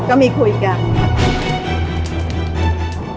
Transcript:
ก็มีคุยกัน